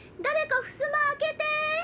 だれかふすま開けて！